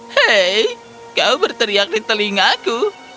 hei kau berteriak di telingaku